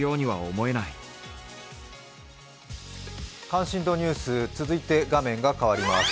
関心度ニュース、続いて画面が変わります。